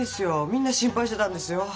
みんな心配してたんですよ。